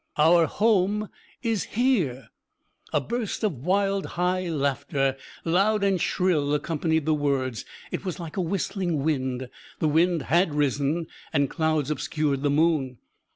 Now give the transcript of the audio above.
"Our home is here!" A burst of wild, high laughter, loud and shrill, accompanied the words. It was like a whistling wind. The wind had risen, and clouds obscured the moon.